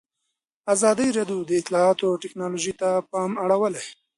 ازادي راډیو د اطلاعاتی تکنالوژي ته پام اړولی.